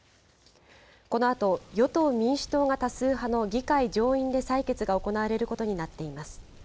このあと、与党・民主党が多数派の議会上院で採決が行われることになっています。